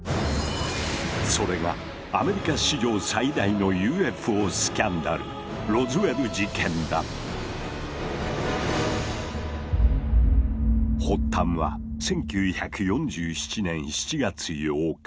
それがアメリカ史上最大のＵＦＯスキャンダル発端は１９４７年７月８日。